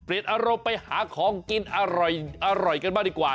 เปลี่ยนอารมณ์ไปหาของกินอร่อยอร่อยกันมากดีกว่า